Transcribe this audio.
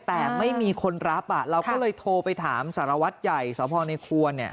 แต่ไม่มีคนรับเราก็เลยโทรไปถามสารวัตรใหญ่สพในควร